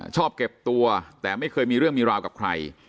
ชอบเก็บตัวแต่ไม่เคยมีเรื่องมีราวกับใคร